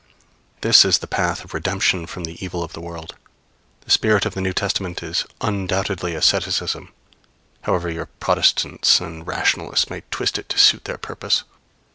This is the path of redemption from the evil of the world. The spirit of the New Testament is undoubtedly asceticism, however your protestants and rationalists may twist it to suit their purpose.